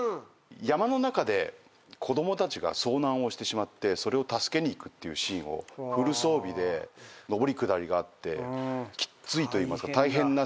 山の中で子供たちが遭難をしてしまってそれを助けに行くっていうシーンをフル装備で上り下りがあってきっついといいますか大変な撮影が続きまして。